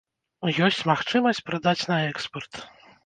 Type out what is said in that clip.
Ёсць магчымасць прадаць на экспарт.